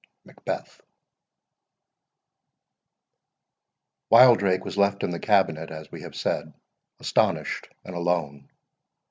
MACBETH. Wildrake was left in the cabinet, as we have said, astonished and alone.